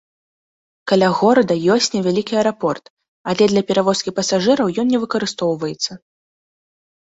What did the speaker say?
Каля горада ёсць невялікі аэрапорт, але для перавозкі пасажыраў ён не выкарыстоўваецца.